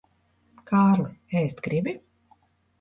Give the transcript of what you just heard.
Kārli, ēst gribi?